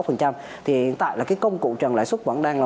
thì hiện tại là cái công cụ trần lãi xuất vẫn đang là